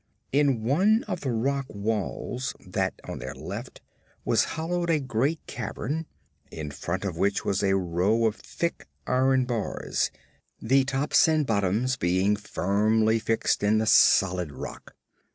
In one of the rock walls that at their left was hollowed a great cavern, in front of which was a row of thick iron bars, the tops and bottoms being firmly fixed in the solid rock.